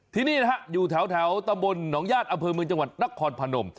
ที่นี่นะฮะอยู่แถวตำบลหนองญาติอำเภอเมืองจังหวัดนครพนม